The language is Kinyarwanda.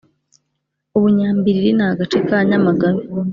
Ubunyambiriri Ni agace ka Nyamagabe